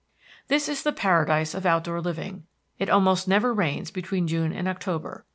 This is the paradise of outdoor living; it almost never rains between June and October.